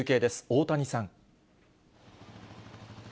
大谷さん。